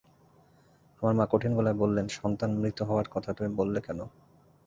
আমার মা কঠিন গলায় বললেন, সন্তান মৃত হওয়ার কথা তুমি বললে কেন?